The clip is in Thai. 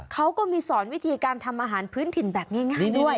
เขาก็มีสอนวิธีการทำอาหารพื้นถิ่นแบบง่ายด้วย